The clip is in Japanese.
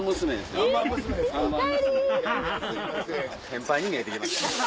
先輩に見えて来ました。